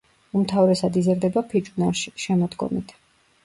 უმთავრესად იზრდება ფიჭვნარში შემოდგომით.